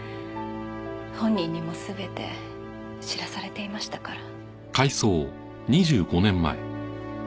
本人にも全て知らされていましたから。